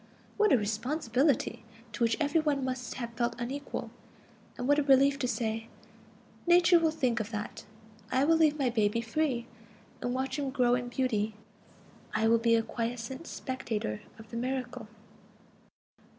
What a responsibility, to which every one must have felt unequal! And what a relief to say: "Nature will think of that. I will leave my baby free, and watch him grow in beauty; I will be a quiescent spectator of the miracle."